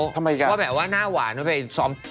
ทำไมกันเพราะแบบว่าหน้าหวานเพื่อไปซ้อม